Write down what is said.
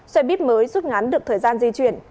xe buýt mới rút ngắn được thời gian di chuyển